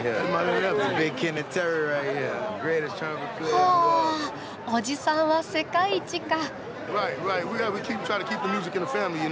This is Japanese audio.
はあおじさんは世界一か。